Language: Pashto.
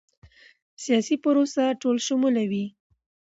سیاسي پروسه ټولشموله وي